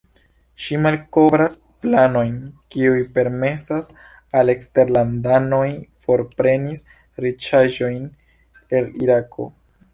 Ŝi malkovras planojn, kiuj permesas al eksterlandanoj forprenis riĉaĵojn el Irako.